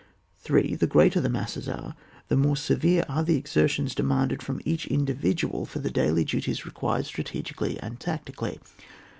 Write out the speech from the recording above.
3. The greater the masses are, the more severe are the exertions demanded from each individual for the daily duties required strategically and tactically.